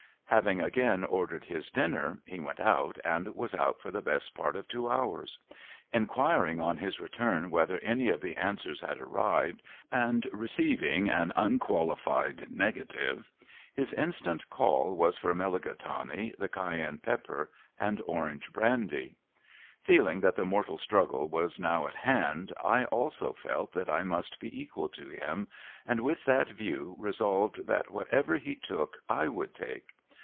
Having again ordered his dinner, he went out, and was out for the best part of two hours. Inquiring on his return whether any of the answers had arrived, and receiving an unqualified negative, his instant call was for mulligatawny, the cayenne pepper, and orange brandy. Feeling that the mortal struggle was now at hand, I also felt that I must be equal to him, and with that view resolved that whatever he took I would take.